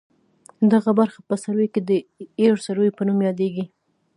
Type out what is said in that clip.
دغه برخه په سروې کې د ایروسروې په نوم یادیږي